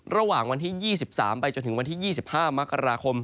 ระหว่างวันที่๒๓ไปจนถึงวันที่๒๕มกราคม